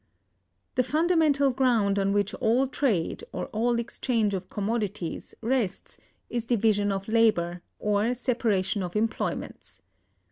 The fundamental ground on which all trade, or all exchange of commodities, rests, is division of labor, or separation of employments.